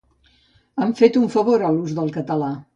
Han fet un favor a l’ús del català.